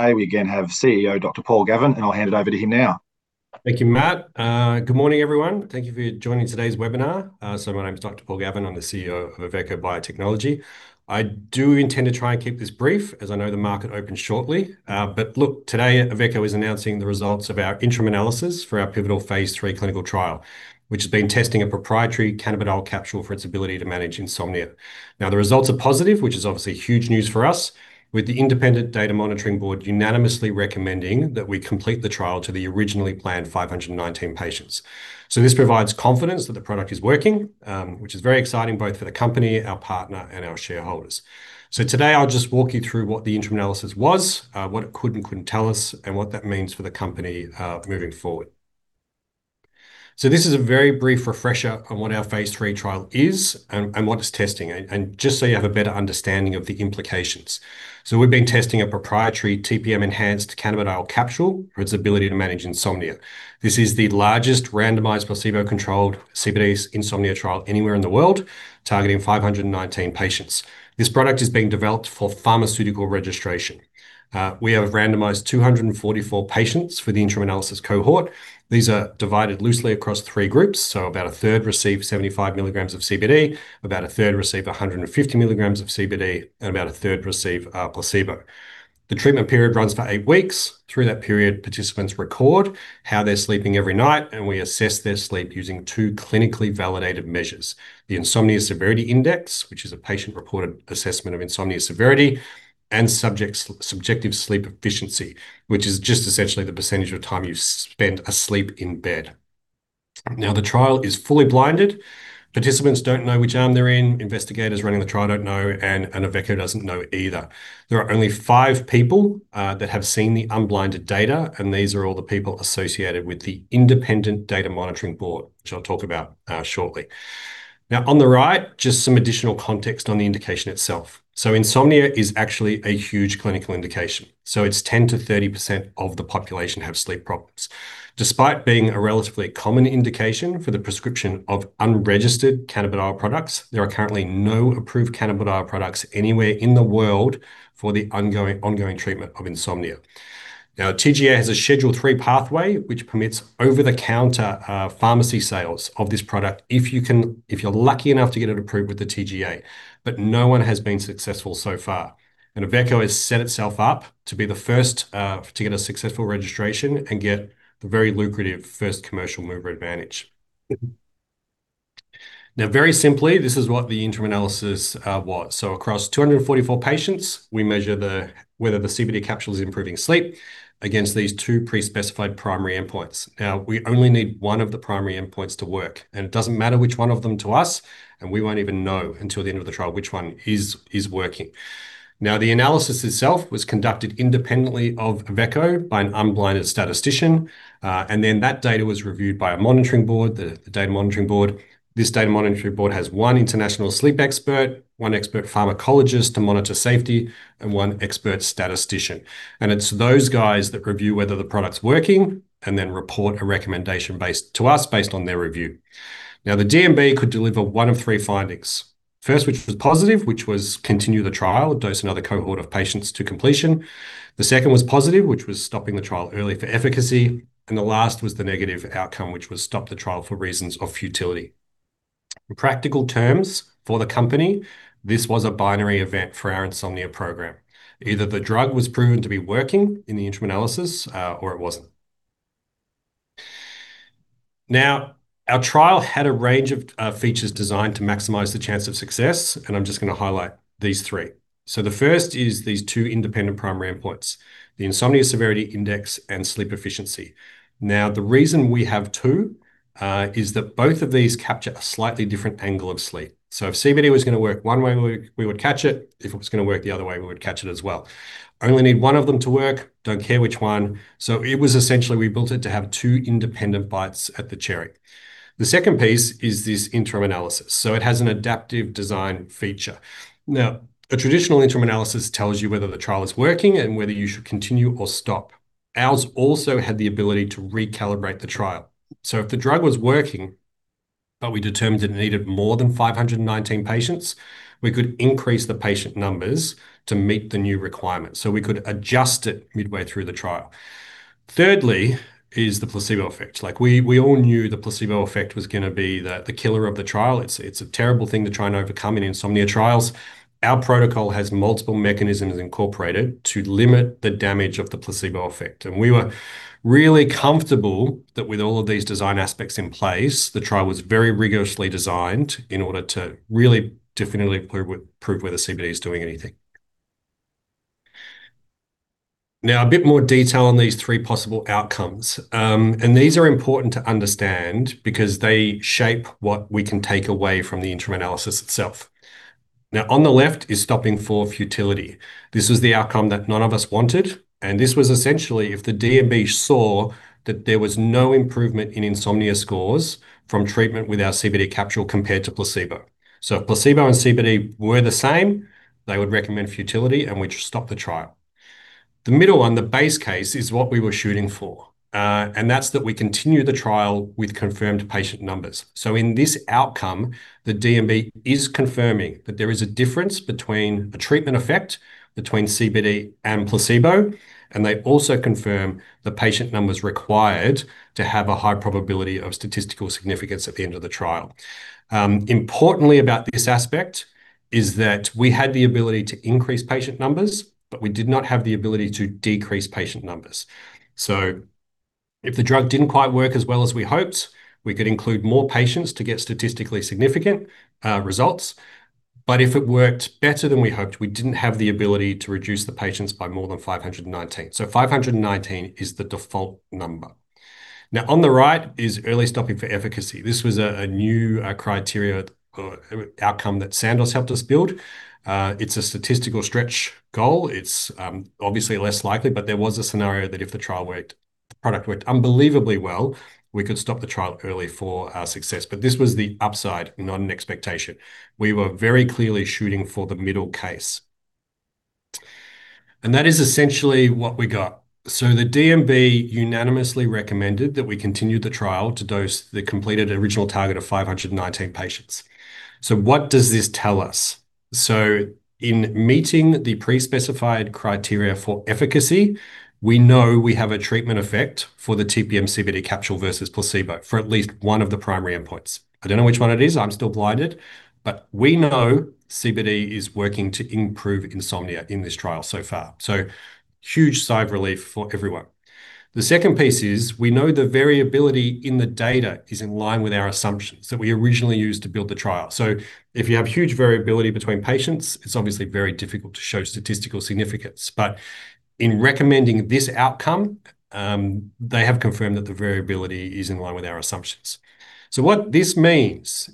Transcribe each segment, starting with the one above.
Today, we again have CEO Dr. Paul Gavin. I will hand it over to him now. Thank you, Matt. Good morning, everyone. Thank you for joining today's webinar. My name is Dr. Paul Gavin. I am the CEO of Avecho Biotechnology. I do intend to try and keep this brief, as I know the market opens shortly, but look, today, Avecho is announcing the results of our interim analysis for our pivotal phase III clinical trial, which has been testing a proprietary cannabidiol capsule for its ability to manage insomnia. The results are positive, which is obviously huge news for us, with the independent Data Monitoring Board unanimously recommending that we complete the trial to the originally planned 519 patients. This provides confidence that the product is working, which is very exciting both for the company, our partner, and our shareholders. Today, I will just walk you through what the interim analysis was, what it could and couldn't tell us, and what that means for the company moving forward. This is a very brief refresher on what our phase III trial is and what it is testing, and just so you have a better understanding of the implications. We have been testing a proprietary TPM-enhanced cannabidiol capsule for its ability to manage insomnia. This is the largest randomized placebo-controlled CBD insomnia trial anywhere in the world, targeting 519 patients. This product is being developed for pharmaceutical registration. We have randomized 244 patients for the interim analysis cohort. These are divided loosely across three groups. About 1/3 receive 75 mg of CBD, about 1/3 receive 150 mg of CBD, and about 1/3 receive a placebo. The treatment period runs for eight weeks. Through that period, participants record how they are sleeping every night, and we assess their sleep using two clinically validated measures. The Insomnia Severity Index, which is a patient-reported assessment of insomnia severity, and Subjective Sleep Efficiency, which is just essentially the percentage of time you have spent asleep in bed. The trial is fully blinded. Participants don't know which arm they are in, investigators running the trial don't know, and Avecho doesn't know either. There are only five people that have seen the unblinded data, and these are all the people associated with the independent Data Monitoring Board, which I will talk about shortly. On the right, just some additional context on the indication itself. Insomnia is actually a huge clinical indication. It is 10%-30% of the population have sleep problems. Despite being a relatively common indication for the prescription of unregistered cannabidiol products, there are currently no approved cannabidiol products anywhere in the world for the ongoing treatment of insomnia. TGA has a Schedule 3 pathway, which permits over-the-counter pharmacy sales of this product if you're lucky enough to get it approved with the TGA, but no one has been successful so far. Avecho has set itself up to be the first to get a successful registration and get the very lucrative first commercial mover advantage. Very simply, this is what the interim analysis was. Across 244 patients, we measure whether the CBD capsule is improving sleep against these two pre-specified primary endpoints. We only need one of the primary endpoints to work, and it doesn't matter which one of them to us, and we won't even know until the end of the trial which one is working. The analysis itself was conducted independently of Avecho by an unblinded statistician. That data was reviewed by a monitoring board, the Data Monitoring Board. This Data Monitoring Board has one international sleep expert, one expert pharmacologist to monitor safety, and one expert statistician. It's those guys that review whether the product's working and then report a recommendation to us based on their review. The DMB could deliver one of three findings. First, which was positive, which was continue the trial, dose another cohort of patients to completion. The second was positive, which was stopping the trial early for efficacy. The last was the negative outcome, which was stop the trial for reasons of futility. In practical terms for the company, this was a binary event for our insomnia program. Either the drug was proven to be working in the interim analysis, or it wasn't. Our trial had a range of features designed to maximize the chance of success, and I'm just going to highlight these three. The first is these two independent primary endpoints, the Insomnia Severity Index and Sleep Efficiency. The reason we have two is that both of these capture a slightly different angle of sleep. If CBD was going to work one way, we would catch it. If it was going to work the other way, we would catch it as well. Only need one of them to work, don't care which one. It was essentially we built it to have two independent bites at the cherry. The second piece is this interim analysis. It has an adaptive design feature. A traditional interim analysis tells you whether the trial is working and whether you should continue or stop. Ours also had the ability to recalibrate the trial. If the drug was working, but we determined it needed more than 519 patients, we could increase the patient numbers to meet the new requirement. We could adjust it midway through the trial. Thirdly is the placebo effect. We all knew the placebo effect was going to be the killer of the trial. It's a terrible thing to try and overcome in insomnia trials. Our protocol has multiple mechanisms incorporated to limit the damage of the placebo effect. We were really comfortable that with all of these design aspects in place, the trial was very rigorously designed in order to really definitively prove whether CBD is doing anything. A bit more detail on these three possible outcomes, and these are important to understand because they shape what we can take away from the interim analysis itself. On the left is stopping for futility. This was the outcome that none of us wanted, and this was essentially if the DMB saw that there was no improvement in insomnia scores from treatment with our CBD capsule compared to placebo. If placebo and CBD were the same, they would recommend futility, and we'd stop the trial. The middle one, the base case, is what we were shooting for, and that's that we continue the trial with confirmed patient numbers. In this outcome, the DMB is confirming that there is a difference between a treatment effect between CBD and placebo, and they also confirm the patient numbers required to have a high probability of statistical significance at the end of the trial. Importantly about this aspect is that we had the ability to increase patient numbers, but we did not have the ability to decrease patient numbers. If the drug didn't quite work as well as we hoped, we could include more patients to get statistically significant results, but if it worked better than we hoped, we didn't have the ability to reduce the patients by more than 519. 519 is the default number. On the right is early stopping for efficacy. This was a new criteria or outcome that Sandoz helped us build. It's a statistical stretch goal. It's obviously less likely, but there was a scenario that if the trial worked, the product worked unbelievably well, we could stop the trial early for our success. This was the upside, not an expectation. We were very clearly shooting for the middle case. That is essentially what we got. The DMB unanimously recommended that we continue the trial to dose the completed original target of 519 patients. What does this tell us? In meeting the pre-specified criteria for efficacy, we know we have a treatment effect for the TPM CBD capsule versus placebo for at least one of the primary endpoints. I don't know which one it is, I'm still blinded, but we know CBD is working to improve insomnia in this trial so far. Huge sigh of relief for everyone. The second piece is we know the variability in the data is in line with our assumptions that we originally used to build the trial. If you have huge variability between patients, it's obviously very difficult to show statistical significance. In recommending this outcome, they have confirmed that the variability is in line with our assumptions. What this means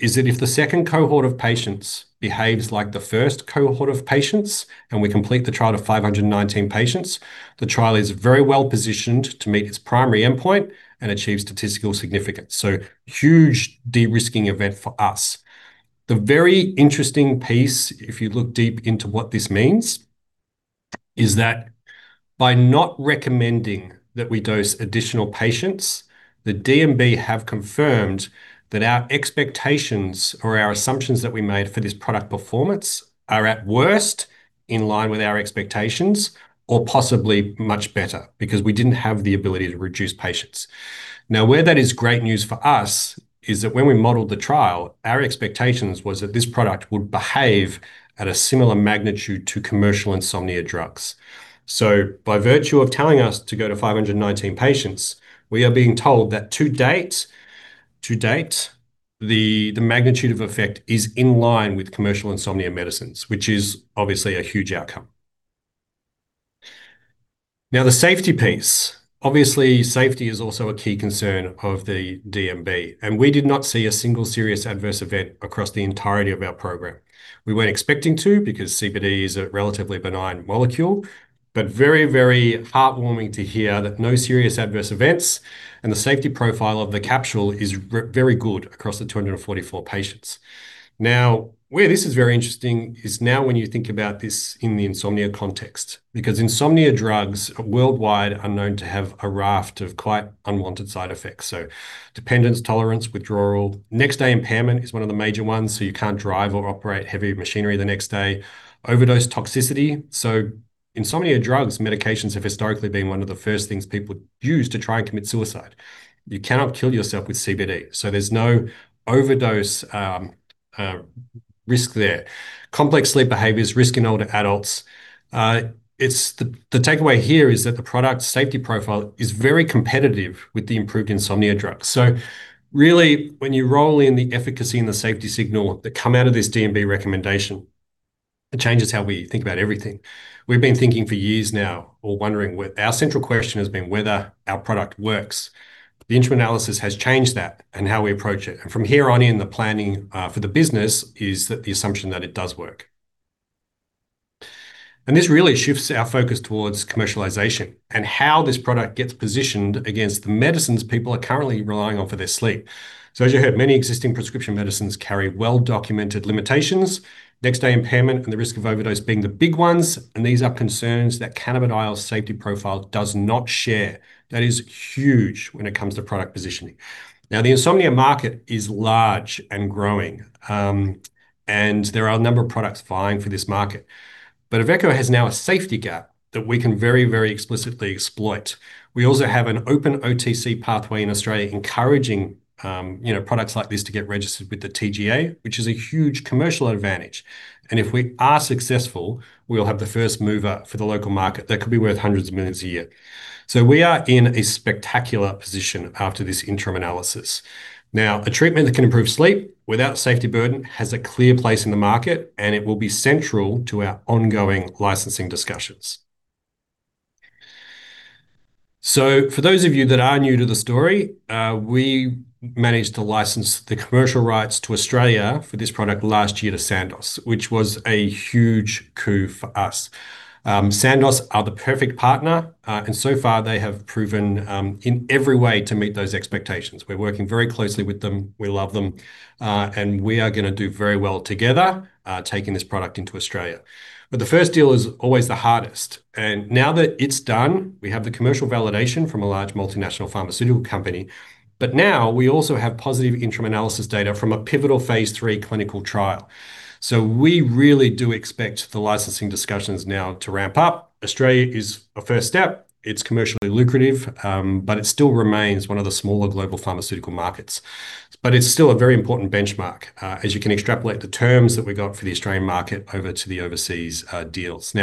is that if the second cohort of patients behaves like the first cohort of patients and we complete the trial to 519 patients, the trial is very well-positioned to meet its primary endpoint and achieve statistical significance. Huge de-risking event for us. The very interesting piece, if you look deep into what this means, is that by not recommending that we dose additional patients, the DMB have confirmed that our expectations or our assumptions that we made for this product performance are at worst in line with our expectations, or possibly much better because we didn't have the ability to reduce patients. Where that is great news for us is that when we modeled the trial, our expectations was that this product would behave at a similar magnitude to commercial insomnia drugs. By virtue of telling us to go to 519 patients, we are being told that to date, to date, the magnitude of effect is in line with commercial insomnia medicines, which is obviously a huge outcome. The safety piece, obviously, safety is also a key concern of the DMB, and we did not see a single serious adverse event across the entirety of our program. We weren't expecting to because CBD is a relatively benign molecule. Very, very heartwarming to hear that no serious adverse events, and the safety profile of the capsule is very good across the 244 patients. Where this is very interesting is now when you think about this in the insomnia context, because insomnia drugs worldwide are known to have a raft of quite unwanted side effects. So, dependence, tolerance, withdrawal, next day impairment is one of the major ones, so you can't drive or operate heavy machinery the next day. Overdose toxicity. Insomnia drugs, medications have historically been one of the first things people use to try and commit suicide. You cannot kill yourself with CBD, so there's no overdose risk there. Complex sleep behaviors, risk in older adults. The takeaway here is that the product safety profile is very competitive with the improved insomnia drugs. Really, when you roll in the efficacy and the safety signal that come out of this DMB recommendation, it changes how we think about everything. We've been thinking for years now or wondering, our central question has been whether our product works. The interim analysis has changed that and how we approach it. From here on in, the planning for the business is that the assumption that it does work. This really shifts our focus towards commercialization and how this product gets positioned against the medicines people are currently relying on for their sleep. As you heard, many existing prescription medicines carry well-documented limitations, next day impairment and the risk of overdose being the big ones, and these are concerns that cannabidiol's safety profile does not share. That is huge when it comes to product positioning. The insomnia market is large and growing. There are a number of products vying for this market. Avecho has now a safety gap that we can very, very explicitly exploit. We also have an open OTC pathway in Australia encouraging products like this to get registered with the TGA, which is a huge commercial advantage. If we are successful, we'll have the first mover for the local market. That could be worth hundreds of millions a year. We are in a spectacular position after this interim analysis. A treatment that can improve sleep without safety burden has a clear place in the market, and it will be central to our ongoing licensing discussions. For those of you that are new to the story, we managed to license the commercial rights to Australia for this product last year to Sandoz, which was a huge coup for us. Sandoz are the perfect partner, and so far, they have proven in every way to meet those expectations. We are working very closely with them. We love them. We are going to do very well together, taking this product into Australia. The first deal is always the hardest, and now that it is done, we have the commercial validation from a large multinational pharmaceutical company. Now, we also have positive interim analysis data from a pivotal phase III clinical trial. We really do expect the licensing discussions now to ramp up. Australia is a first step. It is commercially lucrative, but it still remains one of the smaller global pharmaceutical markets. It is still a very important benchmark, as you can extrapolate the terms that we got for the Australian market over to the overseas deals. We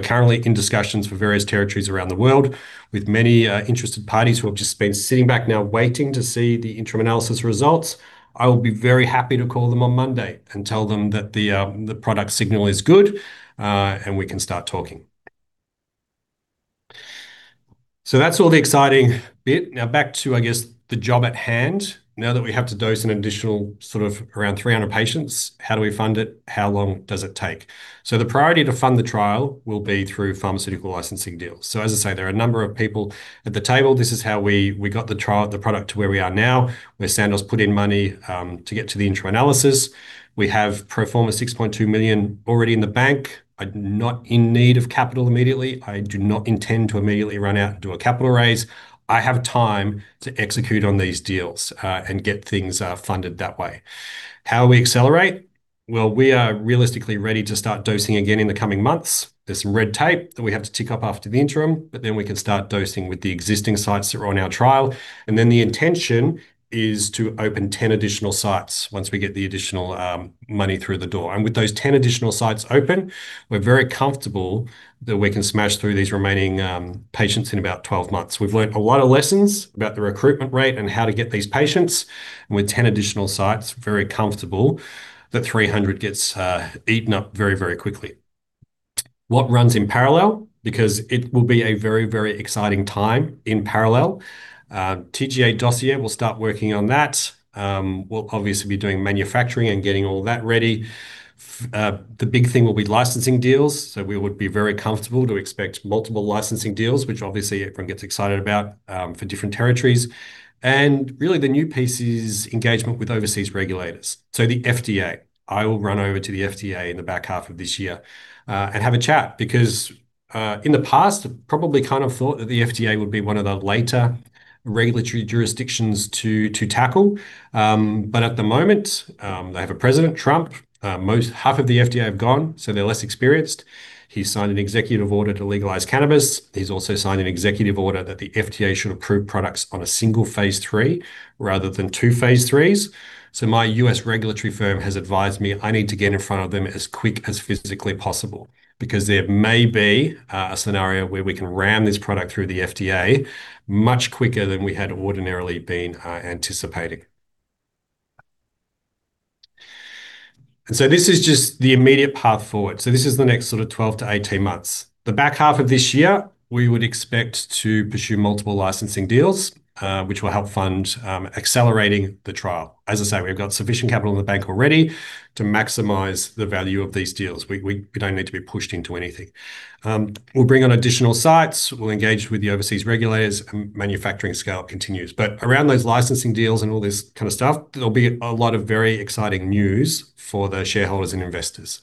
are currently in discussions for various territories around the world with many interested parties who have just been sitting back now waiting to see the interim analysis results. I will be very happy to call them on Monday and tell them that the product signal is good, and we can start talking. That is all the exciting bit. Back to, I guess, the job at hand. Now that we have to dose an additional sort of around 300 patients, how do we fund it? How long does it take? The priority to fund the trial will be through pharmaceutical licensing deals. As I say, there are a number of people at the table. This is how we got the trial, the product to where we are now, where Sandoz put in money to get to the interim analysis. We have pro forma 6.2 million already in the bank. I am not in need of capital immediately. I do not intend to immediately run out and do a capital raise. I have time to execute on these deals, and get things funded that way. How will we accelerate? We are realistically ready to start dosing again in the coming months. There is some red tape that we have to tick up after the interim, then we can start dosing with the existing sites that are on our trial, and then the intention is to open 10 additional sites once we get the additional money through the door. With those 10 additional sites open, we are very comfortable that we can smash through these remaining patients in about 12 months. We have learned a lot of lessons about the recruitment rate and how to get these patients, and with 10 additional sites, very comfortable that 300 gets eaten up very, very quickly. What runs in parallel? It will be a very exciting time in parallel. TGA dossier, we will start working on that. We will obviously be doing manufacturing and getting all that ready. The big thing will be licensing deals. We would be very comfortable to expect multiple licensing deals, which obviously everyone gets excited about, for different territories. Really, the new piece is engagement with overseas regulators. So, the FDA. I will run over to the FDA in the back half of this year, and have a chat because, in the past, probably kind of thought that the FDA would be one of the later regulatory jurisdictions to tackle, but at the moment, they have a President Trump. Most half of the FDA have gone, so they're less experienced. He's signed an executive order to legalize cannabis. He's also signed an executive order that the FDA should approve products on a single phase III rather than two phase IIIs. My U.S. regulatory firm has advised me I need to get in front of them as quick as physically possible because there may be a scenario where we can ram this product through the FDA much quicker than we had ordinarily been anticipating. This is just the immediate path forward. This is the next sort of 12-18 months. The back half of this year, we would expect to pursue multiple licensing deals, which will help fund accelerating the trial. As I say, we've got sufficient capital in the bank already to maximize the value of these deals. We don't need to be pushed into anything. We'll bring on additional sites, we'll engage with the overseas regulators, and manufacturing scale continues. Around those licensing deals and all this kind of stuff, there'll be a lot of very exciting news for the shareholders and investors.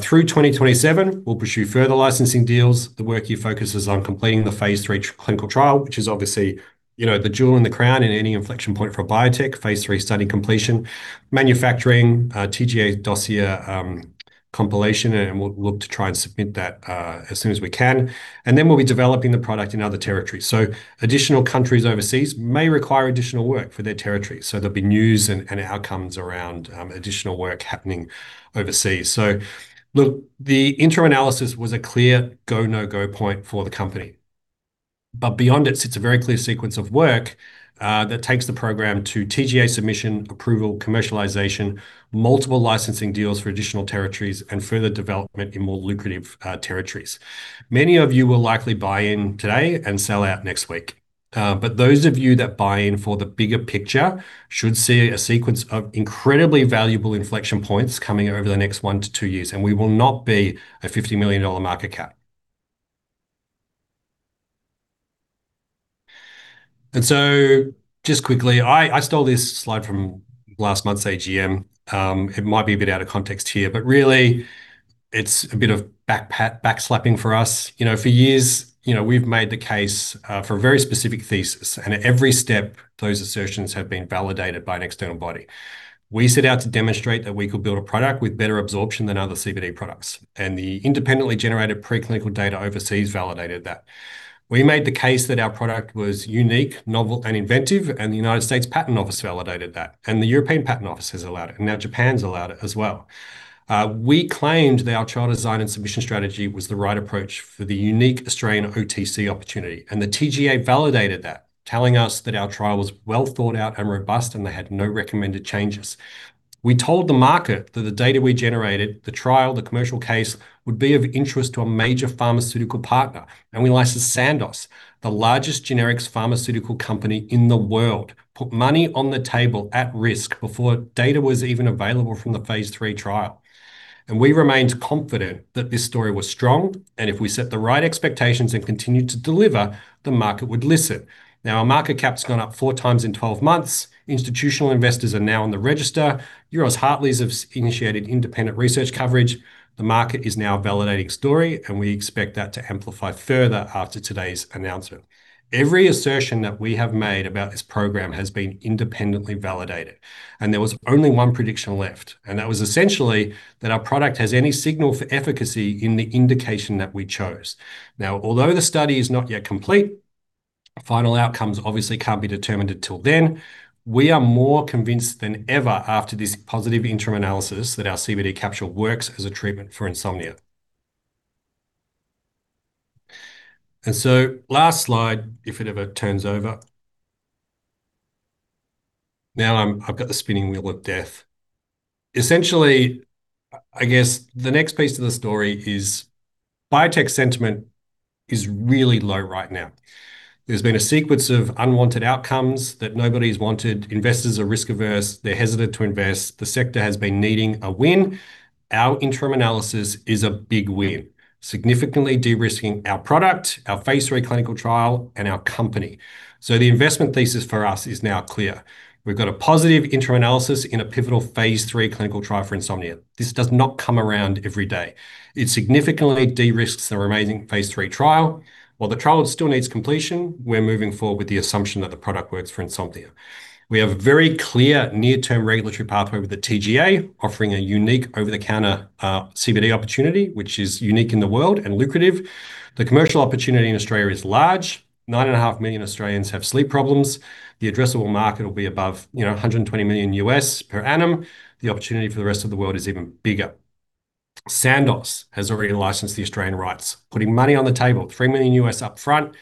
Through 2027, we'll pursue further licensing deals. The work here focuses on completing the phase III clinical trial, which is obviously the jewel in the crown in any inflection point for a biotech, phase III study completion. Manufacturing, TGA dossier compilation and we'll look to try and submit that, as soon as we can. Then, we'll be developing the product in other territories. Additional countries overseas may require additional work for their territories, so there'll be news and outcomes around additional work happening overseas. Look, the interim analysis was a clear go, no go point for the company. Beyond it sits a very clear sequence of work, that takes the program to TGA submission, approval, commercialization, multiple licensing deals for additional territories, and further development in more lucrative territories. Many of you will likely buy in today and sell out next week. Those of you that buy in for the bigger picture should see a sequence of incredibly valuable inflection points coming over the next one to two years, and we will not be a 50 million dollar market cap. Just quickly, I stole this slide from last month's AGM, it might be a bit out of context here, but really, it's a bit of back slapping for us. For years, we've made the case for a very specific thesis, and at every step, those assertions have been validated by an external body. We set out to demonstrate that we could build a product with better absorption than other CBD products, and the independently generated preclinical data overseas validated that. We made the case that our product was unique, novel and inventive, and the United States Patent Office validated that. The European Patent Office has allowed it, and now, Japan's allowed it as well. We claimed that our trial design and submission strategy was the right approach for the unique Australian OTC opportunity, and the TGA validated that, telling us that our trial was well thought out and robust and they had no recommended changes. We told the market that the data we generated, the trial, the commercial case, would be of interest to a major pharmaceutical partner. We licensed Sandoz, the largest generics pharmaceutical company in the world. Put money on the table at risk before data was even available from the phase III trial. We remained confident that this story was strong, and if we set the right expectations and continued to deliver, the market would listen. Our market cap's gone up four times in 12 months. Institutional investors are now on the register. Euroz Hartleys have initiated independent research coverage. The market is now validating story, and we expect that to amplify further after today's announcement. Every assertion that we have made about this program has been independently validated. There was only one prediction left, and that was essentially that our product has any signal for efficacy in the indication that we chose. Although the study is not yet complete, final outcomes obviously can't be determined until then, we are more convinced than ever after this positive interim analysis that our CBD capsule works as a treatment for insomnia. Last slide, if it ever turns over, I've got the spinning wheel of death, essentially, I guess the next piece to the story is biotech sentiment is really low right now. There's been a sequence of unwanted outcomes that nobody's wanted. Investors are risk averse. They're hesitant to invest. The sector has been needing a win. Our interim analysis is a big win, significantly de-risking our product, our phase III clinical trial, and our company. The investment thesis for us is now clear. We've got a positive interim analysis in a pivotal phase III clinical trial for insomnia. This does not come around every day. It significantly de-risks the remaining phase III trial. While the trial still needs completion, we're moving forward with the assumption that the product works for insomnia. We have a very clear near-term regulatory pathway with the TGA, offering a unique over-the-counter CBD opportunity, which is unique in the world and lucrative. The commercial opportunity in Australia is large. 9.5 million Australians have sleep problems. The addressable market will be above $120 million per annum. The opportunity for the rest of the world is even bigger. Sandoz has already licensed the Australian rights, putting money on the table, $3 million upfront.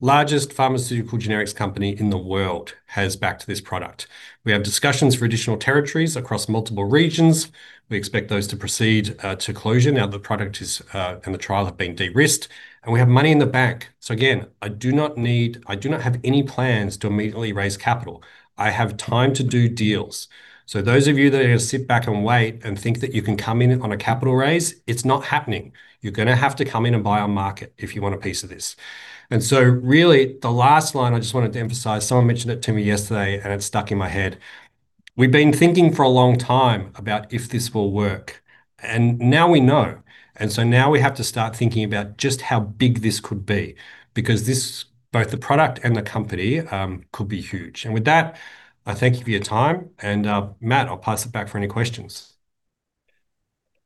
Largest pharmaceutical generics company in the world has backed this product. We have discussions for additional territories across multiple regions. We expect those to proceed to closure now the product is and the trial have been de-risked, and we have money in the bank. Again, I do not need, I do not have any plans to immediately raise capital. I have time to do deals. Those of you that are going to sit back and wait and think that you can come in on a capital raise, it's not happening. You're going to have to come in and buy on market if you want a piece of this. Really, the last line, I just wanted to emphasize, someone mentioned it to me yesterday, and it stuck in my head. We've been thinking for a long time about if this will work, and now we know. Now, we have to start thinking about just how big this could be, because both the product and the company could be huge. With that, I thank you for your time. Matt, I'll pass it back for any questions.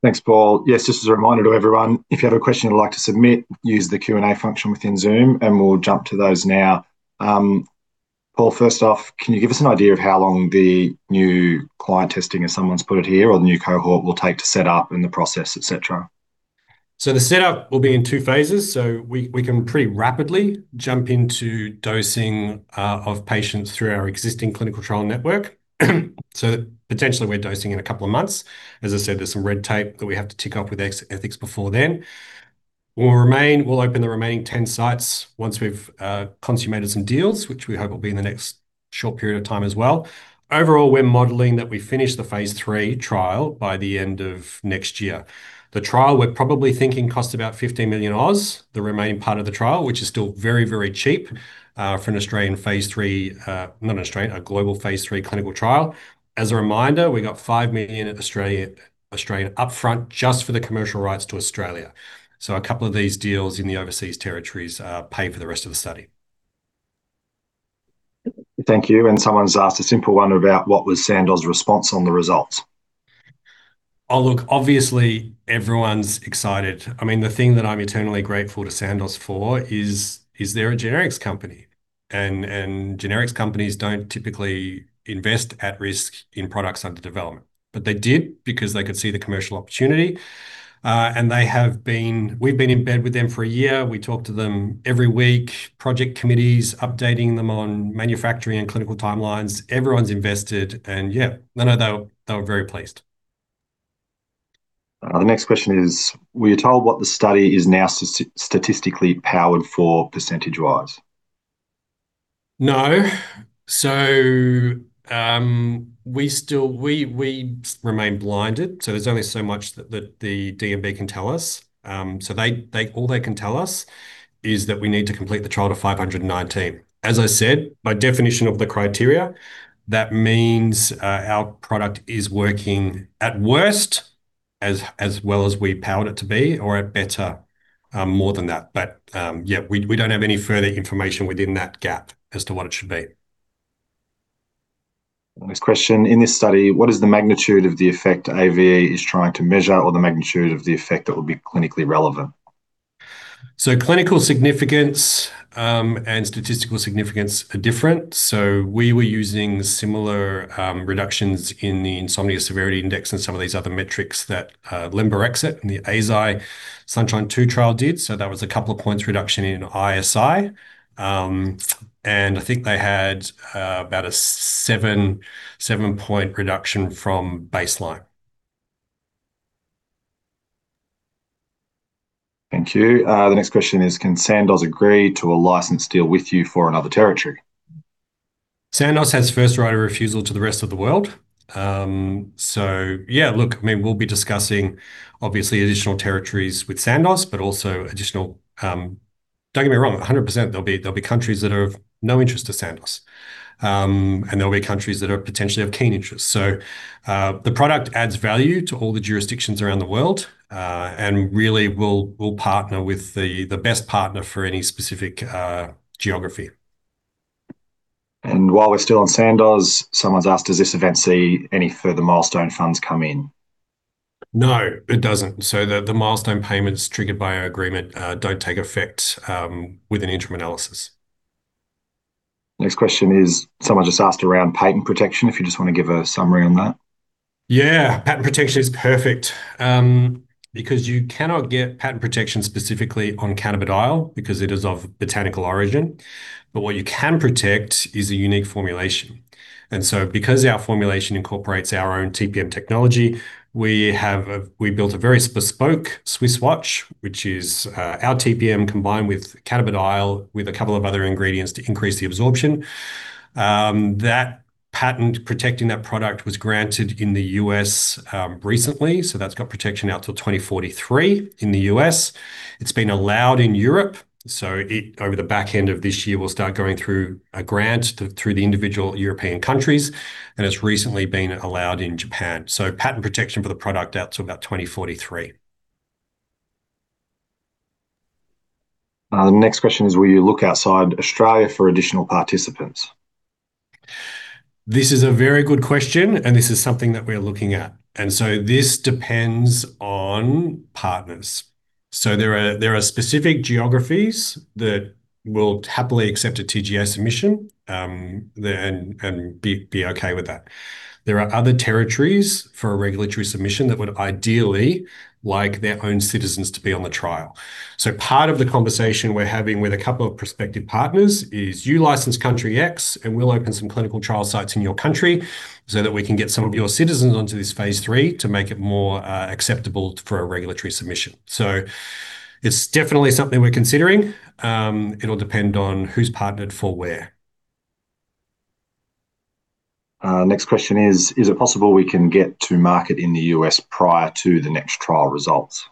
Thanks, Paul. Yes, just as a reminder to everyone, if you have a question you'd like to submit, use the Q&A function within Zoom, and we'll jump to those now. Paul, first off, can you give us an idea of how long the new client testing, as someone's put it here, or the new cohort will take to set up and the process, et cetera? The setup will be in two phases. We can pretty rapidly jump into dosing of patients through our existing clinical trial network. Potentially, we're dosing in a couple of months. As I said, there's some red tape that we have to tick off with ethics before then. We'll open the remaining 10 sites once we've consummated some deals, which we hope will be in the next short period of time as well. Overall, we're modeling that we finish the phase III trial by the end of next year. The trial, we're probably thinking costs about 15 million dollars, the remaining part of the trial, which is still very, very cheap for a global phase III clinical trial. As a reminder, we got 5 million upfront just for the commercial rights to Australia. A couple of these deals in the overseas territories pay for the rest of the study. Thank you. Someone's asked a simple one about what was Sandoz's response on the results. Look, obviously everyone's excited. I mean, the thing that I'm eternally grateful to Sandoz for is they're a generics company, and generics companies don't typically invest at risk in products under development. But they did because they could see the commercial opportunity, and we've been in bed with them for a year. We talk to them every week, project committees, updating them on manufacturing and clinical timelines. Everyone's invested, and yeah, no, they were very pleased. The next question is, were you told what the study is now statistically powered for, percentage wise? No. We remain blinded, so there's only so much that the DMB can tell us. All they can tell us is that we need to complete the trial to 519. As I said, by definition of the criteria, that means our product is working, at worst, as well as we powered it to be or at better, more than that. But yeah, we don't have any further information within that gap as to what it should be. Next question, in this study, what is the magnitude of the effect Avecho is trying to measure or the magnitude of the effect that would be clinically relevant? Clinical significance and statistical significance are different. We were using similar reductions in the Insomnia Severity Index and some of these other metrics that lemborexant in the ISI SUNRISE 2 trial did. That was a couple of points reduction in ISI. I think they had about a seven-point reduction from baseline. Thank you. The next question is, can Sandoz agree to a license deal with you for another territory? Sandoz has first right of refusal to the rest of the world. Yeah, look, we'll be discussing, obviously, additional territories with Sandoz, but also additional, don't get me wrong, 100% there'll be countries that are of no interest to Sandoz, and there'll be countries that are potentially of keen interest. The product adds value to all the jurisdictions around the world, and really, we'll partner with the best partner for any specific geography. While we're still on Sandoz, someone's asked, does this event see any further milestone funds come in? No, it doesn't. The milestone payments triggered by our agreement don't take effect with an interim analysis. Next question is someone just asked around patent protection, if you just want to give a summary on that. Yeah. Patent protection is perfect. You cannot get patent protection specifically on cannabidiol because it is of botanical origin, but what you can protect is a unique formulation. Because our formulation incorporates our own TPM technology, we built a very bespoke Swiss watch, which is our TPM combined with cannabidiol, with a couple of other ingredients to increase the absorption. That patent protecting that product was granted in the U.S. recently, so that's got protection out till 2043 in the U.S. It's been allowed in Europe, so over the back end of this year, we'll start going through a grant through the individual European countries, and it's recently been allowed in Japan. Patent protection for the product out to about 2043. Next question is, will you look outside Australia for additional participants? This is a very good question, and this is something that we're looking at. This depends on partners. There are specific geographies that will happily accept a TGA submission, and be okay with that. There are other territories for a regulatory submission that would ideally like their own citizens to be on the trial. Part of the conversation we're having with a couple of prospective partners is you license country X, and we'll open some clinical trial sites in your country so that we can get some of your citizens onto this phase III to make it more acceptable for a regulatory submission. It's definitely something we're considering. It'll depend on who's partnered for where. Next question is it possible we can get to market in the U.S. prior to the next trial results?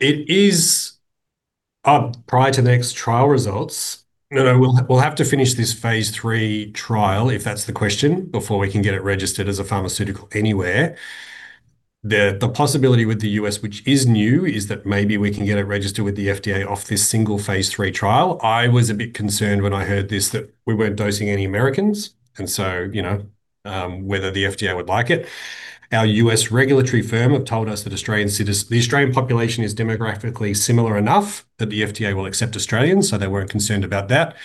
Prior to the next trial results, no, we'll have to finish this phase III trial, if that's the question, before we can get it registered as a pharmaceutical anywhere. The possibility with the U.S., which is new, is that maybe we can get it registered with the FDA off this single phase III trial. I was a bit concerned when I heard this, that we weren't dosing any Americans, and so whether the FDA would like it. Our U.S. regulatory firm have told us the Australian population is demographically similar enough that the FDA will accept Australians, so they weren't concerned about that.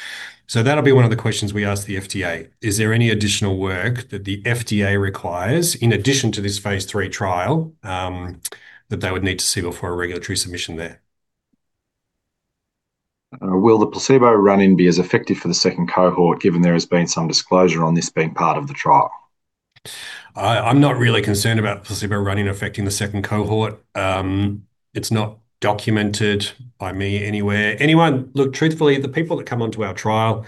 That'll be one of the questions we ask the FDA. Is there any additional work that the FDA requires in addition to this phase III trial, that they would need to see before a regulatory submission there? Will the placebo run-in be as effective for the second cohort, given there has been some disclosure on this being part of the trial? I'm not really concerned about placebo run-in affecting the second cohort. It's not documented by me anywhere. Anyone, look, truthfully, the people that come onto our trial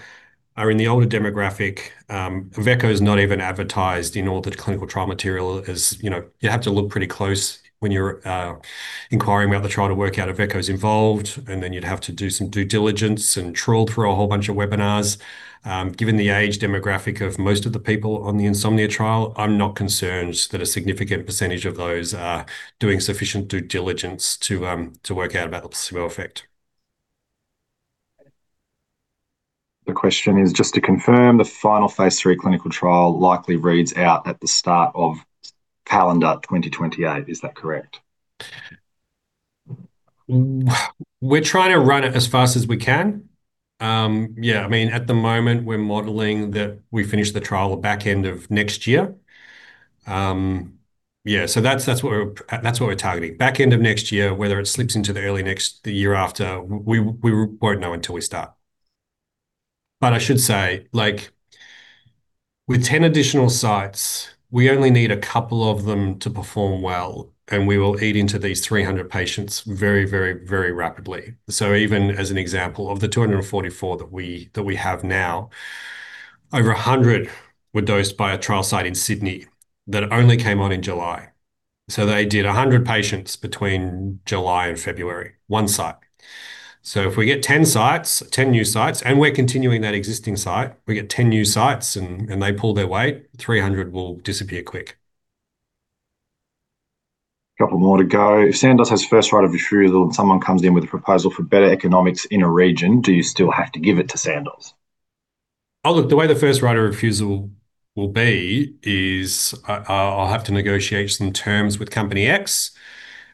are in the older demographic. Avecho is not even advertised in all the clinical trial material. You have to look pretty close when you're inquiring about the trial to work out Avecho's involved, and then you'd have to do some due diligence and trawl through a whole bunch of webinars. Given the age demographic of most of the people on the insomnia trial, I'm not concerned that a significant percentage of those are doing sufficient due diligence to work out about the placebo effect. The question is, just to confirm, the final phase III clinical trial likely reads out at the start of calendar 2028. Is that correct? We're trying to run it as fast as we can. At the moment, we're modeling that we finish the trial the back end of next year. That's what we're targeting. Back end of next year, whether it slips into the year after, we won't know until we start. I should say, like, with 10 additional sites, we only need a couple of them to perform well, and we will eat into these 300 patients very, very, very rapidly. Even as an example, of the 244 that we have now, over 100 were dosed by a trial site in Sydney that only came on in July. They did 100 patients between July and February, one site. If we get 10 new sites, and we're continuing that existing site, we get 10 new sites and they pull their weight, 300 will disappear quick. Couple more to go. If Sandoz has first right of refusal and someone comes in with a proposal for better economics in a region, do you still have to give it to Sandoz? Oh look, the way the first right of refusal will be is I'll have to negotiate some terms with company X.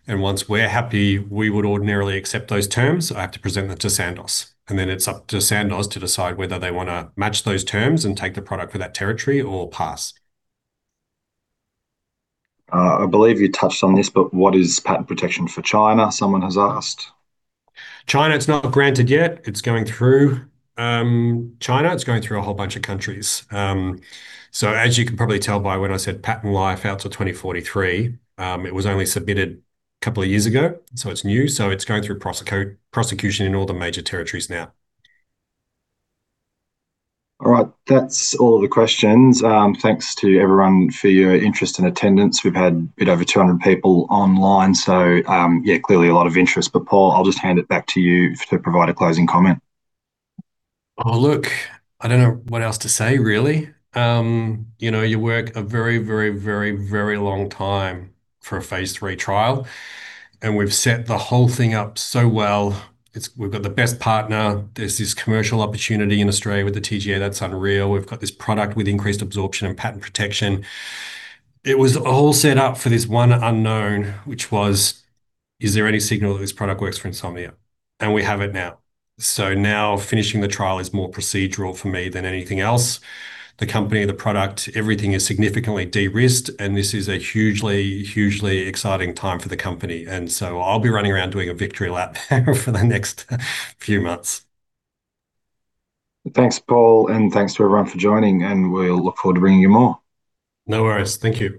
Once we're happy, we would ordinarily accept those terms, I have to present that to Sandoz. Then it's up to Sandoz to decide whether they want to match those terms and take the product for that territory or pass. I believe you touched on this. What is patent protection for China? Someone has asked. China, it's not granted yet. It's going through China. It's going through a whole bunch of countries. As you can probably tell by when I said patent life out to 2043, it was only submitted a couple of years ago, so it's new. It's going through prosecution in all the major territories now. All right. That's all the questions. Thanks to everyone for your interest and attendance. We've had a bit over 200 people online, so clearly a lot of interest. Paul, I'll just hand it back to you to provide a closing comment. Oh look, I don't know what else to say, really. You work a very, very, very long time for a phase III trial. We've set the whole thing up so well. We've got the best partner. There's this commercial opportunity in Australia with the TGA that's unreal. We've got this product with increased absorption and patent protection. It was all set up for this one unknown, which was, is there any signal that this product works for insomnia? We have it now. So now, finishing the trial is more procedural for me than anything else. The company, the product, everything is significantly de-risked, and this is a hugely, hugely exciting time for the company. I'll be running around doing a victory lap for the next few months. Thanks, Paul and thanks to everyone for joining, and we'll look forward to bringing you more. No worries. Thank you.